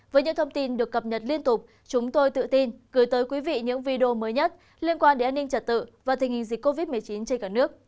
với những thông tin được cập nhật liên tục chúng tôi tự tin gửi tới quý vị những video mới nhất liên quan đến an ninh trật tự và tình hình dịch covid một mươi chín trên cả nước